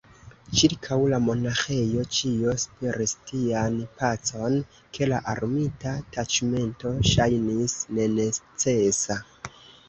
Ĉirkaŭ la monaĥejo ĉio spiris tian pacon, ke la armita taĉmento ŝajnis nenecesa.